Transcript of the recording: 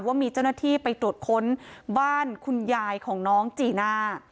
ว่ามีเจ้าหน้าที่ไปตรวจค้นบ้านคุณยายของน้องจีน่า